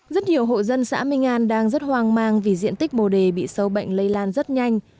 rất nhiều hộ dân xã minh an đang rất hoang mang vì diện tích bồ đề bị sâu bệnh lây lan rất nhanh